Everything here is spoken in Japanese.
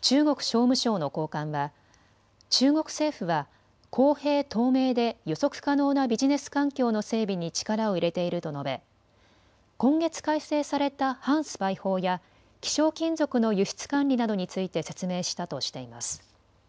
中国商務省の高官は中国政府は公平、透明で予測可能なビジネス環境の整備に力を入れていると述べ今月改正された反スパイ法や希少金属の輸出管理などについて説明したとしています。